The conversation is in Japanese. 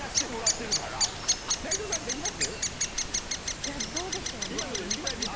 いやどうでしょうね。